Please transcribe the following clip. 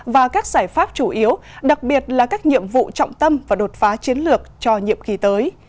và các giải pháp chủ yếu đặc biệt là các nhiệm vụ trọng tâm và đột phá chiến lược cho nhiệm kỳ tới